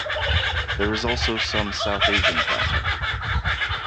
There is also some South Asian content.